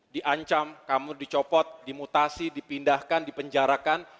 diancam kamu dicopot dimutasi dipindahkan dipenjarakan